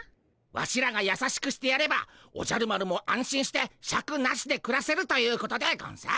ワシらが優しくしてやればおじゃる丸も安心してシャクなしでくらせるということでゴンス。